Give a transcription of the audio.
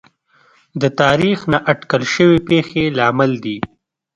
د تاریخ نااټکل شوې پېښې لامل دي.